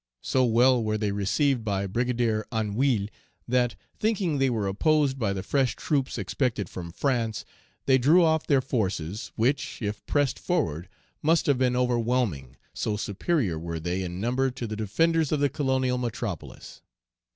So well were they received by Brigadier Anhouil that, thinking they were opposed by the fresh troops expected from France, they drew off their forces, which, if pressed forward, must have been overwhelming, so superior were they in number to the defenders of the colonial metropolis.